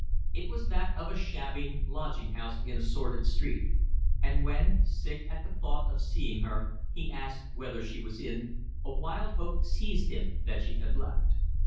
It was that of a shabby lodging house in a sordid street; and when, sick at the thought of seeing her, he asked whether she was in, a wild hope seized him that she had left.